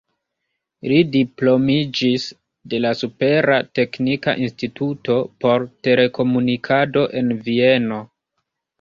Li diplomiĝis de la Supera Teknika Instituto por Telekomunikado en Vieno.